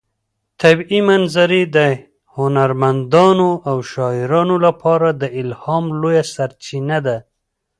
طبیعي منظرې د هنرمندانو او شاعرانو لپاره د الهام لویه سرچینه ده.